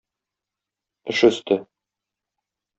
Эш өсте.